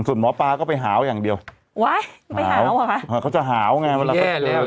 ส่วนหมอปลาก็ไปหาวอย่างเดียวว้ายไปหาวเหรอคะเขาจะหาวไงแย่แล้ว